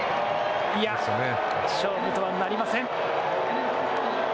いや、勝負とはなりません。